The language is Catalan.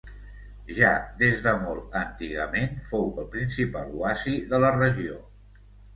Ja des de molt antigament fou el principal oasi de la regió.